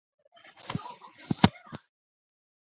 之后授任辽府纪善。